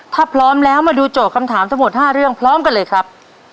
ถ้าพร้อมแล้วมาดูโจทย์คำถามทั้งหมด๕เรื่องพร้อมกันเลยครับ